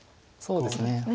そうですね。